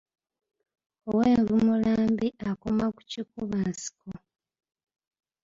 Ow’envumula mbi akoma ku kikuba nsiko.